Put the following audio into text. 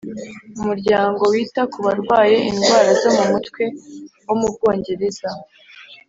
Umuryango wita ku barwaye indwara zo mu mutwe wo mu Bwongereza